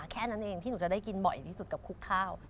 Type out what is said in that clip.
แค่นั้นเองที่หนูจะได้กินบ่อยที่สุดกับคุกข้าว